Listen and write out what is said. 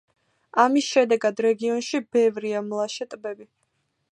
ამის შედეგად რეგიონში ბევრია მლაშე ტბები.